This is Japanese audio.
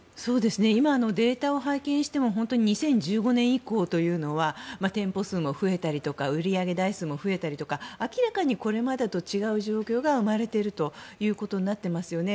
今、データを拝見しても２０１５年以降というのは店舗数も増えたりとか売り上げ台数も増えたりとか明らかにこれまでと違う状況が生まれているということになってますよね。